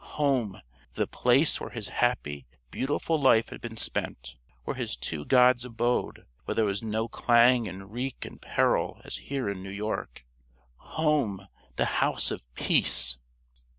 Home! The Place where his happy, beautiful life had been spent, where his two gods abode, where there were no clang and reek and peril as here in New York. Home! The House of Peace!